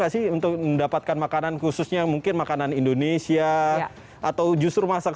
gak sih untuk mendapatkan makanan khususnya mungkin makanan indonesia atau justru masak